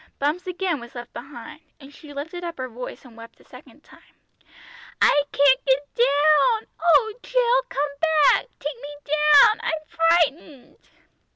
Bumps again was left behind, and she lifted up her voice and wept a second time. "I can't get down! Oh, Jill, come back! Take me down! I'm frightened!"